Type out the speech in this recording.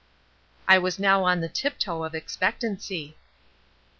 I was now on the tiptoe of expectancy.